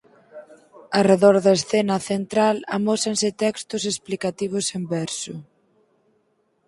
Arredor da escena central amósanse textos explicativos en verso.